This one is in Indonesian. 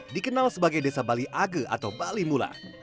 dikenal sebagai desa bali age atau bali mula